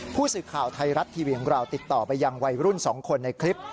ผู้สื่อข่าวไทยรัฐทีวีของเราติดต่อไปยังวัยรุ่น๒คนในคลิป